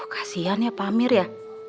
kasian ya pak amir ya